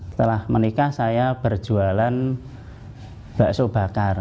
setelah menikah saya berjualan bakso bakar